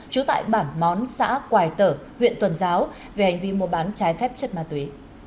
trú tại bản món xã quài tở huyện tuần giáo về hành vi mua bán trái phép chất ma túy